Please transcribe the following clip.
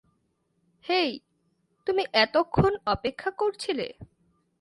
হেই, তুমি এতক্ষণ অপেক্ষা করছিলে?